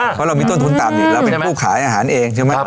เพราะเรามีต้นทุนต่ำอยู่เราเป็นผู้ขายอาหารเองใช่ไหม